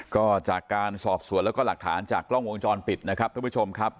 ก็จากการสอบสวนแล้วก็หลักฐานจากกล้องวงจรปิดนะครับท่านผู้ชมครับ